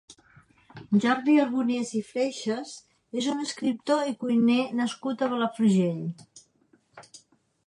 Jordi Arbonès i Freixas és un escriptor i cuiner nascut a Palafrugell.